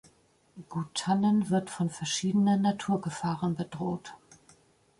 Guttannen wird von verschiedenen Naturgefahren bedroht.